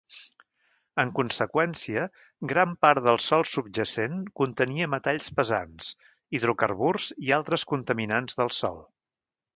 En conseqüència, gran part de sòl subjacent contenia metalls pesants, hidrocarburs i altres contaminants del sòl.